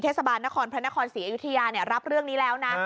เทศบาลนครพระนครศรีอยุธยารับเรื่องนี้แล้วนะ